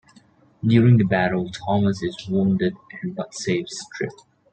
During the battle, Thomas is wounded but saves Tripp.